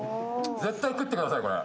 絶対食ってくださいこれ！